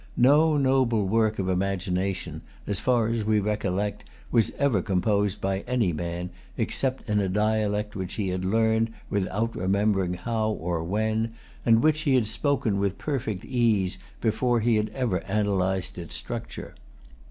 No noble work of imagination, as far as we recollect, was ever composed by any man, except in a dialect which he had learned without remembering how or when, and which he had spoken with perfect ease before he had ever analyzed its structure.